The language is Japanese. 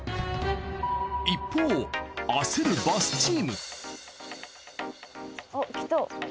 一方焦るバスチーム。